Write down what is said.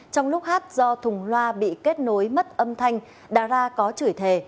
trong lúc hát do thùng loa bị kết nối mất âm thanh đà ra có chửi thề